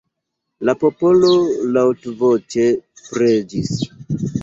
La popolo laŭtvoĉe preĝis.